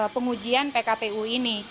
pengujian pkpu ini